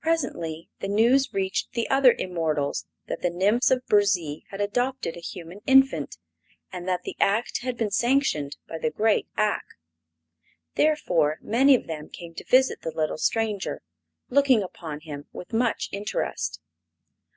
Presently the news reached the other immortals that the nymphs of Burzee had adopted a human infant, and that the act had been sanctioned by the great Ak. Therefore many of them came to visit the little stranger, looking upon him with much interest.